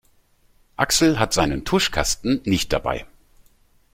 Axel hat seinen Tuschkasten nicht dabei.